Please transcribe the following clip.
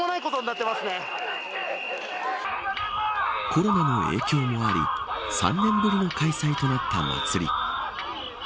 コロナの影響もあり３年ぶりの開催となった祭り。